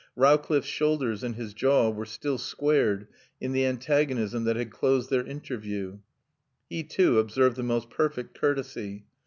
Rowcliffe's shoulders and his jaw were still squared in the antagonism that had closed their interview. He too observed the most perfect courtesy.